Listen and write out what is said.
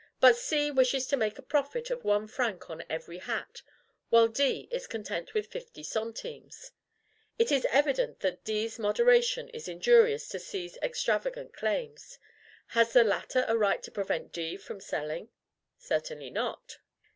But C wishes to make a profit of one franc on every hat, while D is content with fifty centimes. It is evident that D's moderation is injurious to C's extravagant claims. Has the latter a right to prevent D from selling? Certainly not.